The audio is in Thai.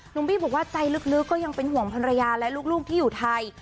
บี้บอกว่าใจลึกก็ยังเป็นห่วงภรรยาและลูกที่อยู่ไทย